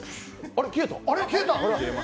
あれ？